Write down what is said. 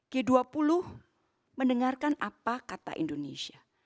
g dua puluh mendengarkan apa kata indonesia